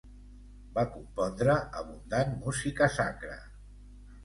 Va compondre abundant música sacra.